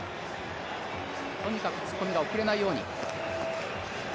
とにかく突っ込みが遅れないように。